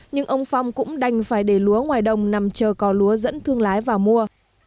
nhưng ông phong cũng đành phải để lúa ngoài đồng nằm chờ có lúa dẫn thương lái vào mua